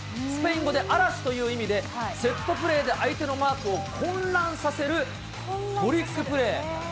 スペイン語で嵐という意味で、セットプレーで相手のマークを混乱させるトリックプレー。